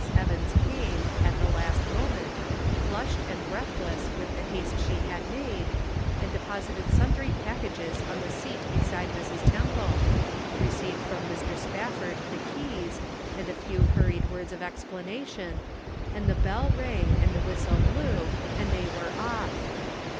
Evans came, at the last moment, flushed and breathless with the haste she had made, and deposited sundry packages on the seat beside Mrs. Temple, received from Mr. Spafford the keys, and a few hurried words of explanation, and the bell rang and the whistle blew, and they were off!